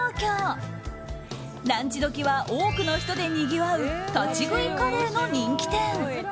ランチ時は多くの人でにぎわう立ち食いカレーの人気店。